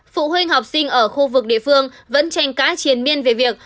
phụ huynh học sinh ở khu vực địa phương vẫn tranh cãi triển miên về việc